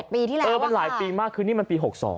ปีที่แล้วเออมันหลายปีมากคือนี่มันปี๖๒